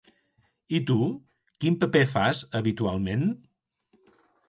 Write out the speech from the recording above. I tu, quin paper fas habitualment?